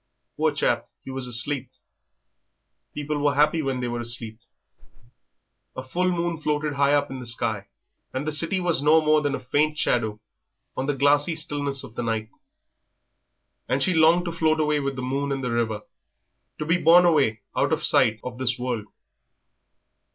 Poor chap, he was asleep. People were happy when they were asleep. A full moon floated high up in the sky, and the city was no more than a faint shadow on the glassy stillness of the night; and she longed to float away with the moon and the river, to be borne away out of sight of this world.